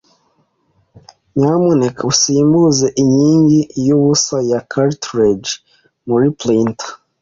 Nyamuneka usimbuze inkingi yubusa ya cartridge muri printer.